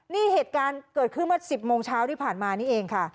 นี่เหตุการณ์เกิดขึ้นเมื่อ๑๐โมงเช้าที่ผ่านมานี่เองค่ะ